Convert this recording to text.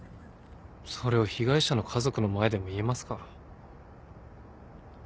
それを被害者の家族の前でも言えますか？